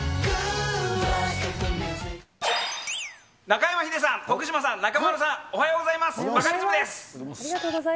中山ヒデさん、徳島さん、中丸さん、おはようございます！